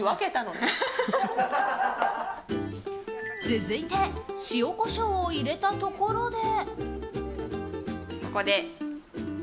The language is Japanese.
続いて塩、コショウを入れたところで。